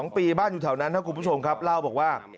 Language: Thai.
๒ปีบ้านอยู่แถวนั้นครับคุณผู้ชมครับเล่าบอกว่า